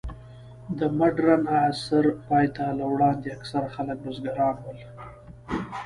د مډرن عصر پای ته له وړاندې، اکثره خلک بزګران ول.